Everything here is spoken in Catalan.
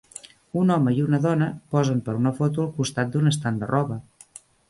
Un home i una dona posen per a una foto al costat d'un estant de roba.